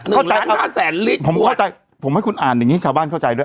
เข้าใจห้าแสนลิตรผมเข้าใจผมให้คุณอ่านอย่างงี้ชาวบ้านเข้าใจด้วย